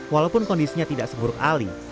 walaupun kondisinya tidak seburuk ali